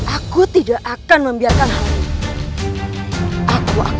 aku tidak akan kuat menahan